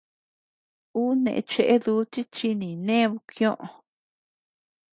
Uu neʼë cheʼe dutit chi ninee bpkioʼö.